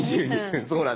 そうなんです。